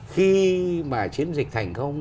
khi mà chiến dịch thành công